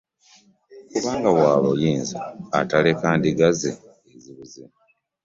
Kubanga wa buyinza ataleka ndiga ze ezibuze